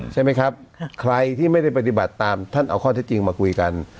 ใช่ไหมครับใครที่ไม่ได้ปฏิบัติตามท่านเอาข้อเท็จจริงมาคุยกัน